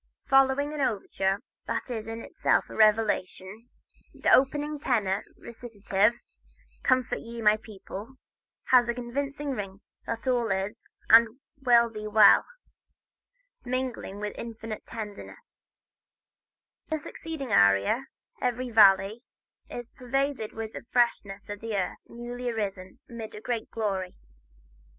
Following an overture that is in itself a revelation, the opening tenor recitative, "Comfort Ye, My People," has a convincing ring that all is and will be well, mingled with infinite tenderness, and the succeeding aria, "Every Valley," is pervaded with the freshness of earth newly arisen amid great glory.